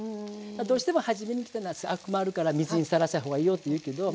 どうしてもはじめに切ったなすアク回るから水にさらした方がいいよって言うけどまあ